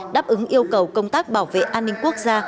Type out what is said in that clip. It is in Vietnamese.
đáp ứng yêu cầu công tác bảo vệ an ninh quốc gia